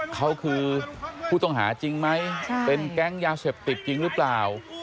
เขาคือผู้ต้องหาจริงไหมเป็นแก๊งยาเสพติดจริงหรือเปล่า